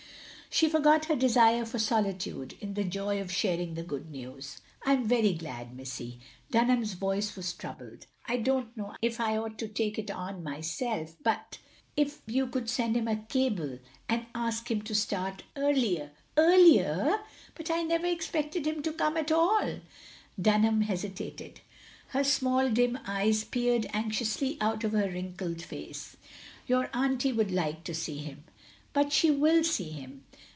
She forgot her desire for solitude, in the joy of sharing the good news. "I 'm very glad, missy." Dunham's voice was troubled. " I don't know if I ought to take it on myself — OP GROSVENOR SQUARE 51 but — ^if you could send him a cable, and ask him to start earlier —" ^'Earlier! But I never expected him to come at all/* Dtmham hesitated. Her small dim eyes peered anxiously out of her wrinkled face. "Your auntie would like to see him." "But she will see him."